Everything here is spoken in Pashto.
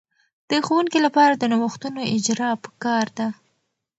د ښوونکې لپاره د نوښتونو اجراء په کار ده.